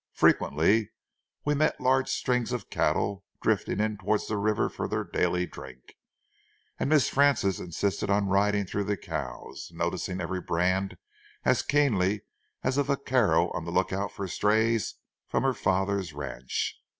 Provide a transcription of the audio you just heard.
Frequently we met large strings of cattle drifting in towards the river for their daily drink, and Miss Frances insisted on riding through the cows, noticing every brand as keenly as a vaquero on the lookout for strays from her father's ranch.